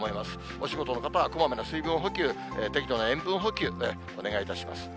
お仕事の方はこまめな水分補給、適度な塩分補給、お願いいたします。